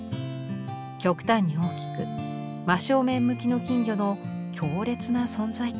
極端に大きく真正面向きの金魚の強烈な存在感。